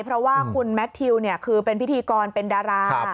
เพราะว่าคุณแมททิวคือเป็นพิธีกรเป็นดารา